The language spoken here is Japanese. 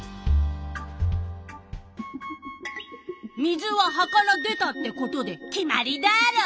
水は葉から出たってことで決まりダーロ！